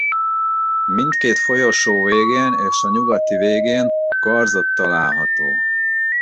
Mindkét folyosó végén és a nyugati végén karzat található.